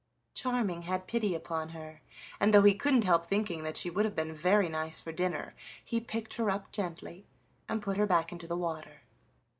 Charming had pity upon her, and, though he couldn't help thinking that she would have been very nice for dinner, he picked her up gently and put her back into the water.